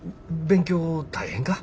勉強大変か？